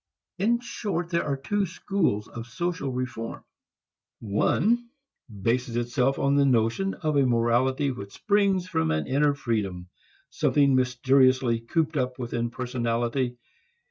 In short, there are two schools of social reform. One bases itself upon the notion of a morality which springs from an inner freedom, something mysteriously cooped up within personality.